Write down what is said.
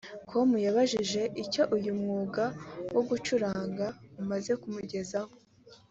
com yabajijwe icyo uyu mwuga wo gucuranga umaze kumugezaho